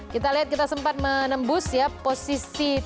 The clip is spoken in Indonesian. kita lihat kita sempat menembus ya posisi tiga